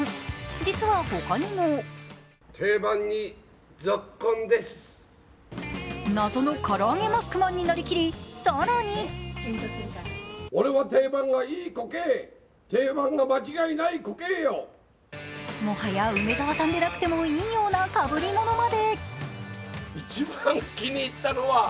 実はほかにも謎のからあげマスクマンになりきり更にもはや梅沢さんでなくてもいいようなかぶりものまで。